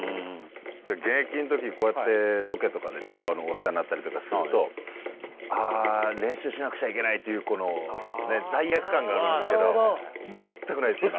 現役の時こうやってロケとかでねお世話になったりとかすると「ああ練習しなくちゃいけない」というこのね罪悪感があるんですけど全くないです今。